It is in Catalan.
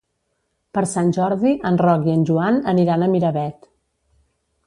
Per Sant Jordi en Roc i en Joan aniran a Miravet.